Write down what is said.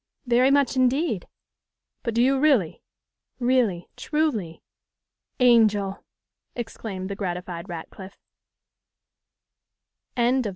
'Very much indeed.' 'But do you really?' 'Really, truly.' 'Angel!' exclaimed the gratified Sir Ratcliffe.